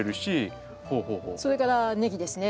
それからネギですね。